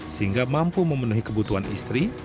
sehingga mampu memenuhi kebutuhan istri